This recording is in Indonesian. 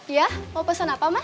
ya mau pesan apa mas